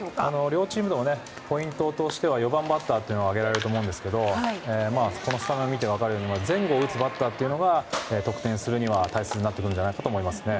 両チームのポイントとしては４番バッターが挙げられると思うんですけどスタメンを見て分かるように前後を打つバッターが得点するには大切になってくると思います。